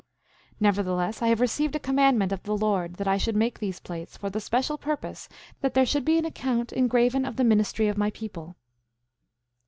9:3 Nevertheless, I have received a commandment of the Lord that I should make these plates, for the special purpose that there should be an account engraven of the ministry of my people.